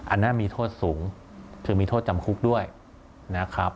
อันนั้นมีโทษสูงคือมีโทษจำคุกด้วยนะครับ